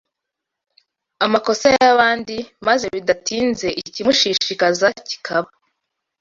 amakosa y’abandi, maze bidatinze ikimushishikaza kikaba